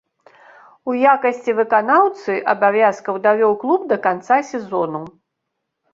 У якасці выканаўцы абавязкаў давёў клуб да канца сезону.